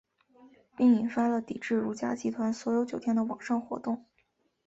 并引发了抵制如家集团所有酒店的网上活动。